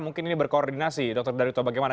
mungkin ini berkoordinasi dokter daryuto bagaimana